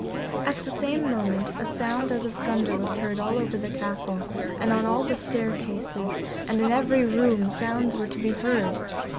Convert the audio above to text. At the same moment a sound as of thunder was heard all over the castle, and on all the staircases and in every room sounds were to be heard.